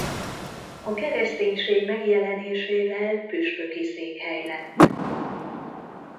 A kereszténység megjelenésével püspöki székhely lett.